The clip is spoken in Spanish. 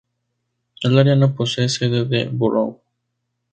El área no posee sede de borough.